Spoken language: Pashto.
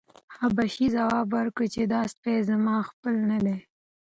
حبشي ځواب ورکړ چې دا سپی زما خپل نه دی.